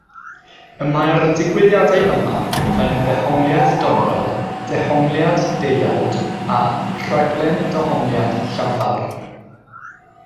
Y mae'r digwyddiadau yma yn Ddehongliad Doniol, Dehongliad Deuawd, a Rhaglen Dehongliad Llafar.